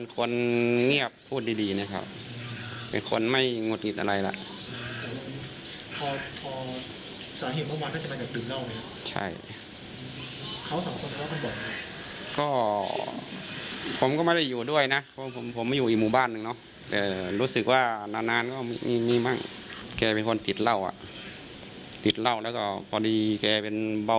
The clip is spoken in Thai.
แกเป็นเบาหวานความดันด้วย